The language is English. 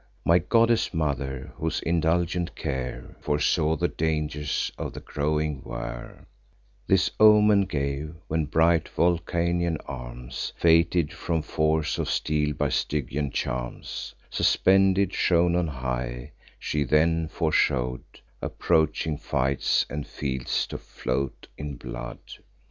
My goddess mother, whose indulgent care Foresaw the dangers of the growing war, This omen gave, when bright Vulcanian arms, Fated from force of steel by Stygian charms, Suspended, shone on high: she then foreshow'd Approaching fights, and fields to float in blood.